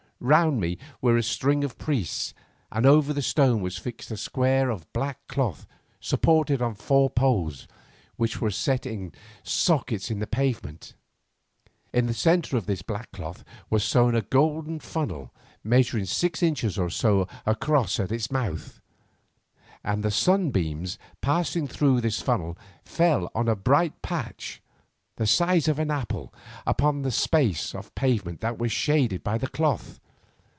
Round me were a ring of priests, and over the stone was fixed a square of black cloth supported upon four poles, which were set in sockets in the pavement. In the centre of this black cloth was sewn a golden funnel measuring six inches or so across at its mouth, and the sunbeams passing through this funnel fell in a bright patch, the size of an apple, upon the space of pavement that was shaded by the cloth.